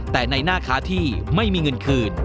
แต่ในหน้าค้าที่ไม่มีเงินคืน